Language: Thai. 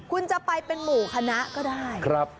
คุณจะไปเป็นหมู่คณะก็ได้